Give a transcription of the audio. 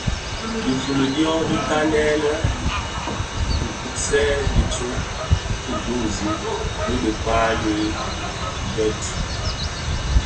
Difuli dü dyotanè anë lè luba gubsèn dhi tsog ki dunzi bi dhikpää di Guthrie.